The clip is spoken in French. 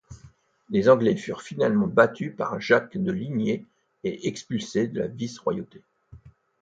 Les Anglais furent finalement battus par Jacques de Liniers et expulsés de la vice-royauté.